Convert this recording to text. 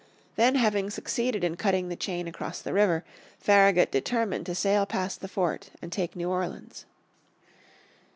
Then having succeeded in cutting the chain across the river Farragut determined to sail past the fort and take New Orleans.